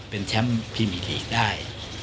เป็นแชมป์พรีมิลีกได้